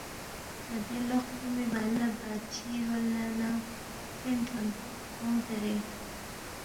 تا دے لو خسُومی بعد لہ بادشی رول لہ نہ فرِن تھونس، اونگ زیرے